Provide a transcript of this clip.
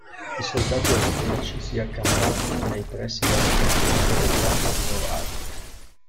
I soldati austriaci si accamparono nei pressi della stazione ferroviaria di Novara.